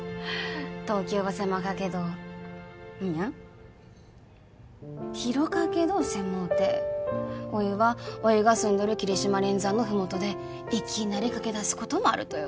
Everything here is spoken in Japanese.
東京は狭かけどんにゃ広かけど狭うておいはおいが住んどる霧島連山のふもとでいきなり駆け出すこともあるとよ